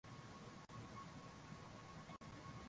wanaweza zungumza hivyo labda ije baada ya miaka miwili